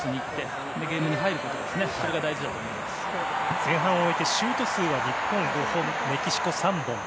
前半を終えてシュート数は日本、５本メキシコが３本。